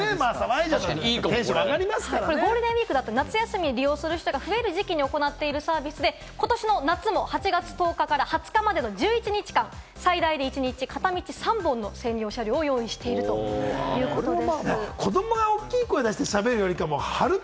ゴールデンウイークだとか夏休みにお客様が増える時期にということで、ことしの夏も８月１０日から２０日までの１１日間、最大で一日片道３本の専用車両を用意するということです。